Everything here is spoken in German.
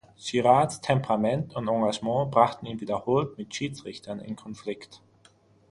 Girards Temperament und Engagement brachten ihn wiederholt mit Schiedsrichtern in Konflikt.